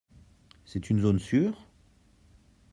C'est une zone sûre ?